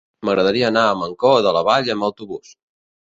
M'agradaria anar a Mancor de la Vall amb autobús.